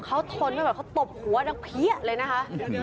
เขาทนไม่ไหวเขาตบหัวดังเพี้ยเลยนะคะ